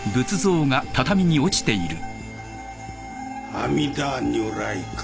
阿弥陀如来か。